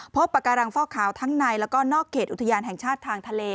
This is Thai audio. ปากการังฟอกขาวทั้งในแล้วก็นอกเขตอุทยานแห่งชาติทางทะเล